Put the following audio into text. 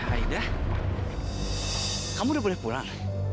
aidah kamu udah boleh pulang